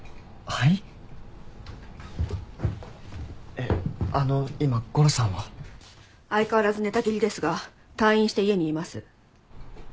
えっあの今ゴロさんは？相変わらず寝たきりですが退院して家にいます。